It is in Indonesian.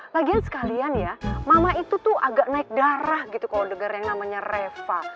lagian sekalian ya mama itu tuh agak naik darah gitu kalau dengar yang namanya reva